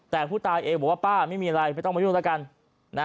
แต่ผู้ตายเองบอกว่าป้าไม่มีอะไรไม่ต้องมายุ่งแล้วกัน